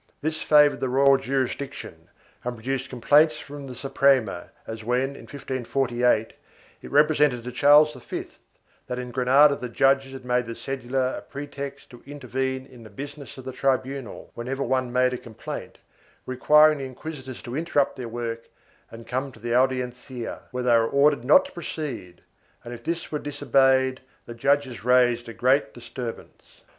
This favored the royal jurisdiction and produced complaints from the Suprema as when, in 1548, it represented to Charles V that in Granada the judges made the cedula a pretext to intervene in the business of the tribunal, whenever any one made a complaint, requiring the inquisitors to interrupt their work and come to the Audiencia, when they were ordered not to proceed and, if this was disobeyed, the judges raised a great disturbance.